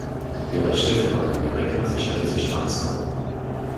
Die Rechte für Nordamerika sicherte sich Dark Star.